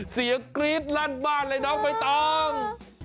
เสียกรี๊ดรั่นบ้านเลยน้องไม่ต้อง